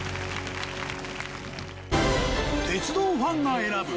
鉄道ファンが選ぶ